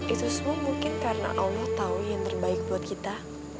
itu semua mungkin karena allah tahu yang terbaik buat kita